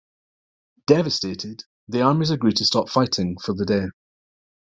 Devastated, the armies agree to stop fighting for the day.